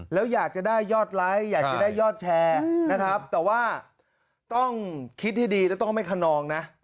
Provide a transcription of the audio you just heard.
แล้วอยากจะได้ยอดไลค์อยากจะได้ยอดแชร์นะครับแต่ว่าต้องคิดให้ดีแล้วต้องไม่ขนองนะ